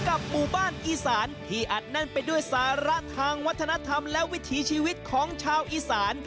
หมู่บ้านอีสานที่อัดแน่นไปด้วยสาระทางวัฒนธรรมและวิถีชีวิตของชาวอีสาน